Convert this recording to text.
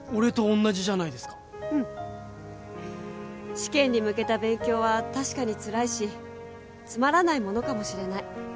試験に向けた勉強は確かにつらいしつまらないものかもしれない。